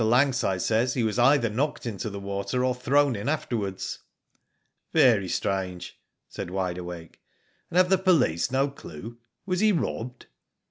Langside says he was either knocked into the water or thrown in afterwards." Very strange," said Wide Awake ;" and have the police no clue? Was he robbed?"